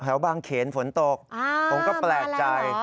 บางเขนฝนตกผมก็แปลกใจ